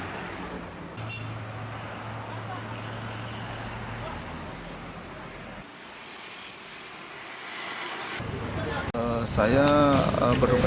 ketua kelompok penjaga tni tni bermasukkan